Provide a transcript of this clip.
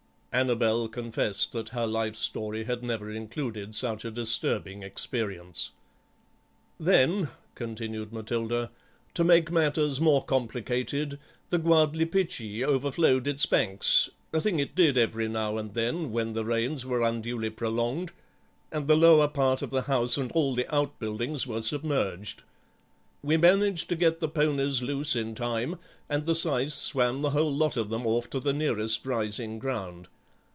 Annabel confessed that her life story had never included such a disturbing experience. "Then," continued Matilda, "to make matters more complicated, the Gwadlipichee overflowed its banks, a thing it did every now and then when the rains were unduly prolonged, and the lower part of the house and all the out buildings were submerged. We managed to get the ponies loose in time, and the syce swam the whole lot of them off to the nearest rising ground.